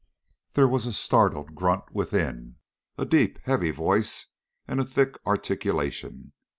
There was a startled grunt within, a deep, heavy voice and a thick articulation.